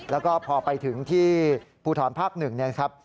แล้วก็พอไปถึงที่ภูทรภาค๑เนี่ยนะครับ